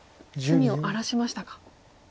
隅を荒らしましたか。